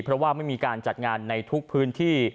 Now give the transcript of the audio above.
เพราะว่าไม่มีการจัดงานในทุกพื้นที่